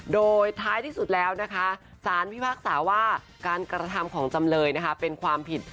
โดยท้ายที่สุดแล้วนะคะสารพิพากษาว่าการกระทำของจำเลยเป็นความผิด